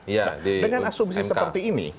dengan asumsi seperti ini